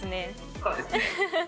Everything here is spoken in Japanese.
そうですね。